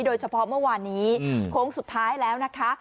โดยเฉพาะเมื่อวานนี้โค้งสุดท้ายแล้วนะคะ